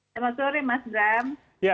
selamat sore mas bram